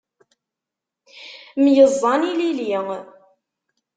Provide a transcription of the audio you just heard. Myeẓẓan ilili.